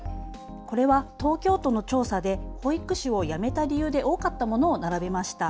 これは東京都の調査で保育士を辞めた理由で多かったものを並べました。